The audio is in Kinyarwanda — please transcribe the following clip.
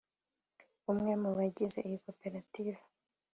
umwe mu bagize iyi koperative